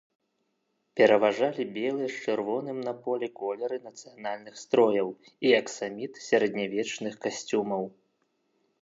Пераважалі белыя з чырвоным на полі колеры нацыянальных строяў і аксаміт сярэднявечных касцюмаў.